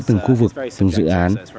từ từng khu vực từng dự án